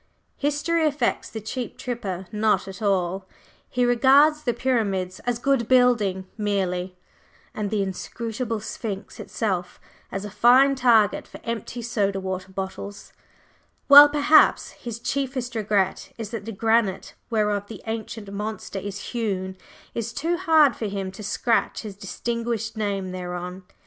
History affects the cheap tripper not at all; he regards the Pyramids as "good building" merely, and the inscrutable Sphinx itself as a fine target for empty soda water bottles, while perhaps his chiefest regret is that the granite whereof the ancient monster is hewn is too hard for him to inscribe his distinguished name thereon.